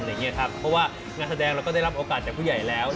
เพราะว่างานแสดงเราก็ได้รับโอกาสจากผู้ใหญ่แล้ว